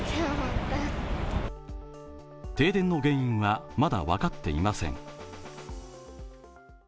停電の原因はまだ分かっていません。